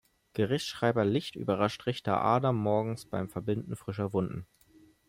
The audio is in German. Gerichtsschreiber Licht überrascht Richter Adam morgens beim Verbinden frischer Wunden.